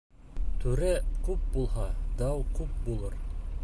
Түрә күп булһа, дау күп булыр.